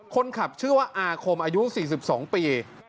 คนขับชื่อว่าอาคมอายุ๔๒ปี